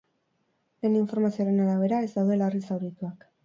Lehen informazioen arabera, ez daude larri zaurituak.